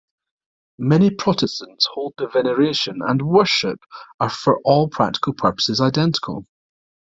Many Protestants hold that veneration and worship are for all practical purposes identical.